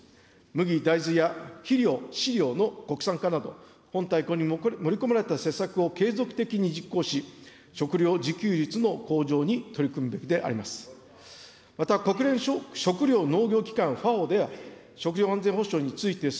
麦、大豆や肥料、飼料の国産化など、本大綱に盛り込まれた施策を継続的に実行し、食料自給率の向上に取り組むべきであります。